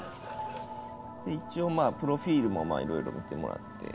一応まあプロフィールも色々見てもらって。